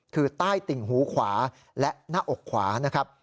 คือใต้ติ่งหูขวาและหน้าอกขวานะครับ